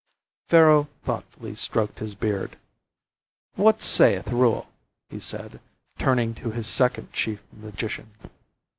Pharaoh thoughtfully stroked his beard. "What sayeth Reuel?" he asked, turning to his second chief magician.